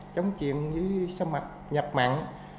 chống chịu với sâm mạch nhập mặn